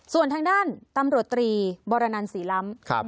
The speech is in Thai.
ส่วนทางด้านตำรวจตรีบรนันศรีล้ำ